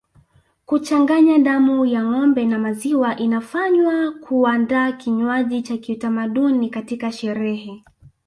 Kuchanganya damu ya ngombe na maziwa inafanywa kuandaa kinywaji cha kitamaduni katika sherehe